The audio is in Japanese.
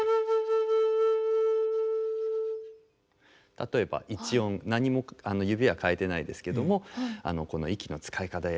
例えば一音何も指は変えてないですけどもこの息の使い方で。